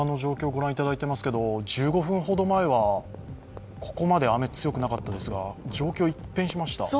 御覧いただいていますけど、１５分ほど前はここまで雨、強くなかったですが状況、一変しました。